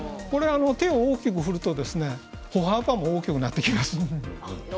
手をを大きく振ると歩幅も大きくなってきます。